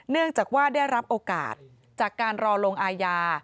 เนื่องจากว่าได้รับโอกาสจากการรอลงอาญา